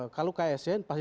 kalau kasn pasti